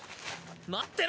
待ってろ！